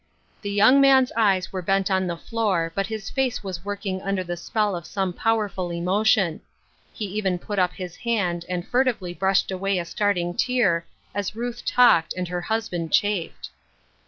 The young man's eyes were bent on the floor, but his face was working under the spell of some powerful emotion ; he even put up his hand and furtively brushed away a starting tear as Ruth talked and her husband chafed.